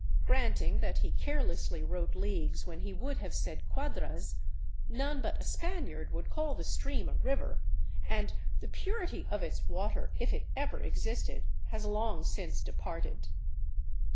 Granting that he carelessly wrote leagues when he would have said ciiadras, none but a Spaniard would call the stream a river, and the purity of its water, if it ever existed, has long since departed.